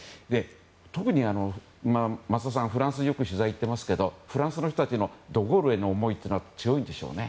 特に増田さん、フランスによく取材に行ってますけどフランスの人たちのド・ゴールへの思いは強いんでしょうね。